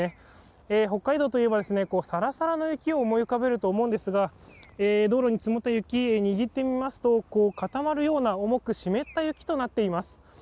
北海道といえばサラサラの雪を思い浮かべると思うんですが道路に積もった雪を握ってみますと固まるような重く湿った雪となっています。